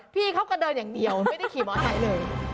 พี่เขาก็เดินอย่างเดียวไม่ได้ขี่มอไซค์เลย